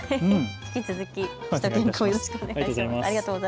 引き続きしゅと犬くんをよろしくお願いします。